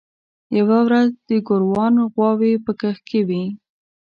یوه ورځ د ګوروان غواوې په کښت کې وې.